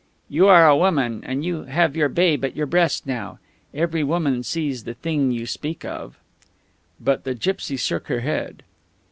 "You are a woman, and you have your babe at your breast now.... Every woman sees the thing you speak of." But the gipsy shook her head.